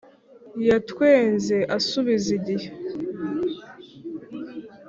yatwenze asubiza, igihe